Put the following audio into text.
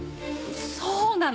そうなの！